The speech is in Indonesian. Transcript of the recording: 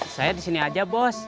saya disini aja bos